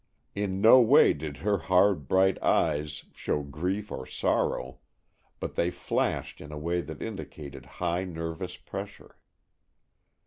In no way did her hard, bright eyes show grief or sorrow, but they flashed in a way that indicated high nervous pressure.